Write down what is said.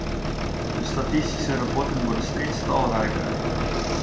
De statistische rapporten worden steeds talrijker.